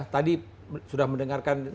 tadi sudah mendengarkan